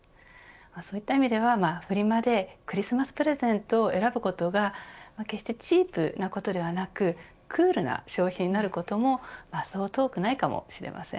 そういった意味ではフリマでクリスマスプレゼントを選ぶことが決してチープなことではなくクールな消費になることもそう遠くないかもしれません。